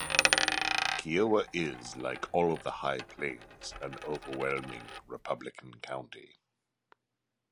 Kiowa is, like all of the High Plains, an overwhelmingly Republican county.